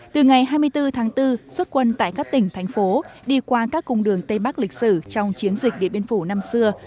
từ ngày hai mươi bốn tháng bốn xuất quân tại các tỉnh thành phố đi qua các cung đường tây bắc lịch sử trong chiến dịch điện biên phủ năm xưa